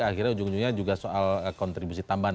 akhirnya ujung ujungnya juga soal kontribusi tambahan